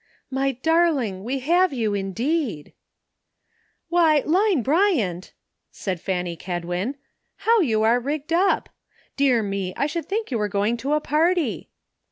"My darling, we have you indeed !" *'Why, Line Bryant," said Fanny Kedwin, " how you are rigged up ! Dear me, I should think you were going to a party.'